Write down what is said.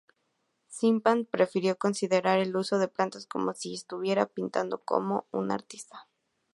Shipman prefirió considerar el uso de plantas como "si estuviera pintando como un artista".